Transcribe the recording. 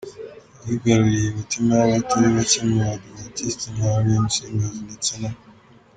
yigaruriye imitima y'abatari bacye mu badivantisti nka Orion Singers ndetse na